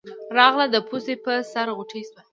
راغله د پوزې پۀ سر غوټۍ شوه